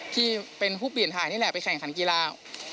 ที่เป็นผู้เปลี่ยนถ่ายนี่แหละไปแข่งขันกีฬา